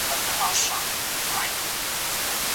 دا لوښي په خټو جوړ سوي دي.